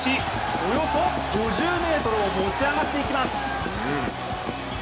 およそ５０ｍを持ち上がっていきます。